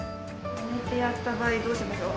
マネてやった場合どうしましょう。